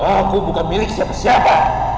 aku bukan milik siapa siapa